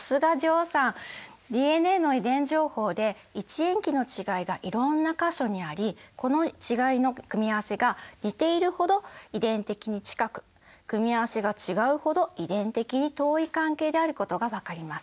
ＤＮＡの遺伝情報で１塩基の違いがいろんな箇所にありこの違いの組み合わせが似ているほど遺伝的に近く組み合わせが違うほど遺伝的に遠い関係であることが分かります。